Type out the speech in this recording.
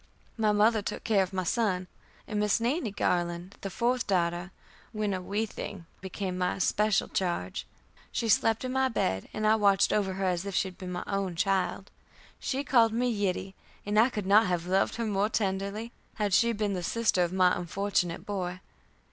My mother took care of my son, and Miss Nannie Garland, the fourth daughter, when a wee thing, became my especial charge. She slept in my bed, and I watched over her as if she had been my own child. She called me Yiddie, and I could not have loved her more tenderly had she been the sister of my unfortunate boy.